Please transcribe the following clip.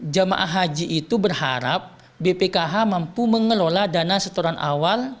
jemaah haji itu berharap bpkh mampu mengelola dana setoran awal